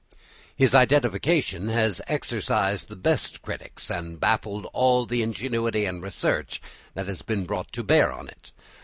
His identification has exercised the best critics and baffled all the ingenuity and research that has been brought to bear on it.